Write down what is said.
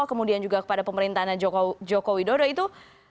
kemudian juga kepada pemerintahnya joko widodo itu